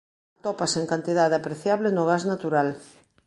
Atópase en cantidade apreciable no gas natural.